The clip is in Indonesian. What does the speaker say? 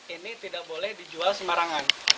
ini tidak boleh dijual sembarangan